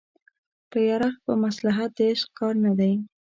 په يرغ په مصلحت د عشق کار نه دی